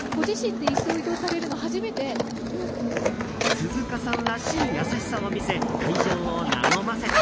鈴鹿さんらしい優しさを見せ会場を和ませた。